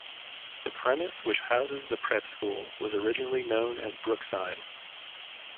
The premise which houses the prep school was originally known as Brookside.